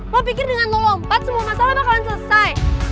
lo pikir dengan lompat semua masalah bakalan selesai